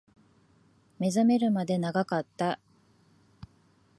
目覚めるまで長かった